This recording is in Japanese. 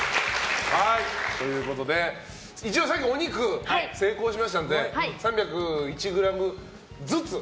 一応、さっきお肉成功しましたので３０１ｇずつ。